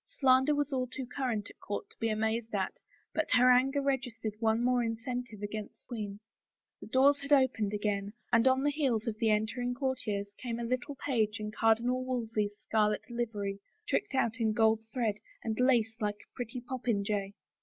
Slander was too current at court to be amazed at, but her anger r^stered one more incentive against the queen. The doors had opened again and on the heels of the entering courtiers came a little page in Cardinal Wolsey's scarlet livery, tricked out in gold thread and lace like a pretty popinjay.